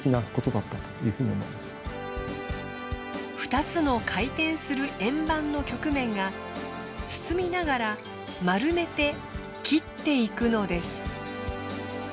２つの回転する円盤の曲面が包みながら丸めて切っていくのです。